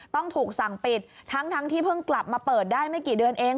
ต้องถูกสั่งปิดทั้งที่เพิ่งกลับมาเปิดได้ไม่กี่เดือนเอง